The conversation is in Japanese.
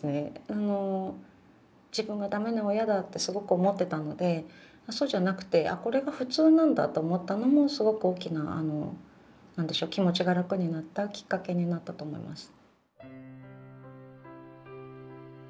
あの自分がダメな親だってすごく思ってたのでそうじゃなくてこれが普通なんだと思ったのもすごく大きなあの何でしょう気持ちが楽になったきっかけになったと思います。